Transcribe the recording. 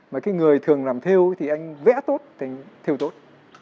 mà cái người thường làm theo thì anh vẽ tốt thì anh theo tốt